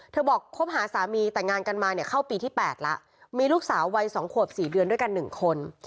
บอกคบหาสามีแต่งงานกันมาเนี่ยเข้าปีที่๘แล้วมีลูกสาววัย๒ขวบ๔เดือนด้วยกัน๑คน